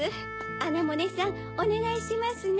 アネモネさんおねがいしますね。